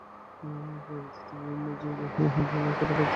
পরবর্তিতে বিভিন্ন জায়গায় হাট বাজার হবার কথা থাকলেও তা বাস্তবায়ন হায়নি।